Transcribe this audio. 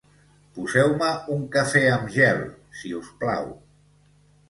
Poseu-me un cafè amb gel, si us plau.